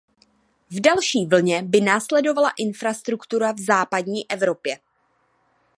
V další vlně by následovala infrastruktura v Západní Evropě.